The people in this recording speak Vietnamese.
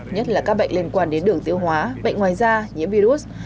nhất là các bệnh liên quan đến đường tiêu hóa bệnh ngoài da nhiễm virus